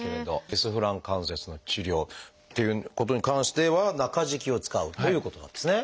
リスフラン関節の治療っていうことに関しては中敷きを使うということなんですね。